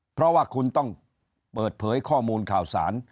เพราะว่าคุณต้องเปิดเผยข้อมูลข่าวสาร